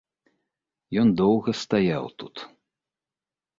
Ён доўга стаяў тут.